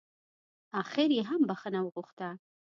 اخر يې هم بښنه وغوښته.